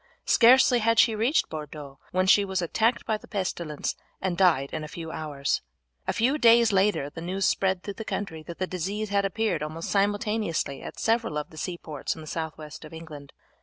Scarcely had she reached Bordeaux when she was attacked by the pestilence and died in a few hours. A few days later the news spread through the country that the disease had appeared almost simultaneously at several of the seaports in the south west of England.